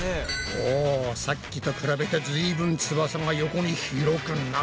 おさっきと比べてずいぶん翼が横に広くなったぞ。